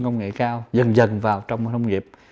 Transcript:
công nghệ cao dần dần vào trong nông nghiệp